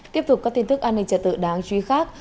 tiếp tục các tin tức an ninh trật tự đáng chú ý khác